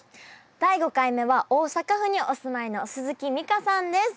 第５回目は大阪府にお住まいの鈴木美香さんです。